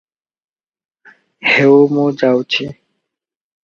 ହେଉ ମୁଁ ଯାଉଚି ।